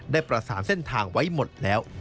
ได้ประสานเส้นทางไว้หมดแล้ว